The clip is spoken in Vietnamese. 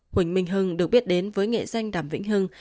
huỳnh minh hưng được biết đến với nghệ danh đàm vĩnh hưng